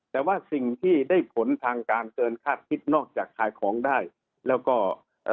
แต่ว่าสิ่งที่ได้ผลทางการเกินคาดคิดนอกจากขายของได้แล้วก็เอ่อ